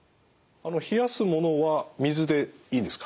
冷やすものは水でいいんですか？